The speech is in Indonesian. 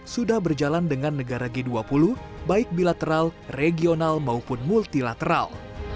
sudah berjalan dengan negara g dua puluh baik bilateral regional maupun multilateral